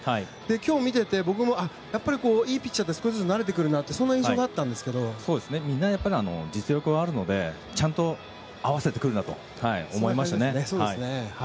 今日見ていて、僕もいいピッチャーって少しずつ慣れてくるなというみんな実力はあるのでちゃんと合わせてくるなと思いましたね。